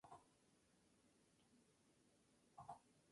El fruto es una pequeña cápsula, subglobosa.